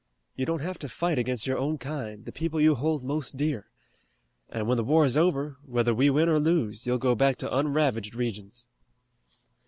You don't have to fight against your own kind, the people you hold most dear. And when the war is over, whether we win or lose, you'll go back to unravaged regions."